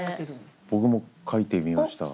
僕も描いてみました。